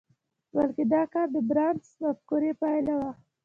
بلکې دا کار د بارنس د مفکورې پايله وه.